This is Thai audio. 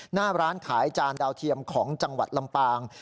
หน้าร้านขายจานดาวเทียมของจังหวัดลำปาง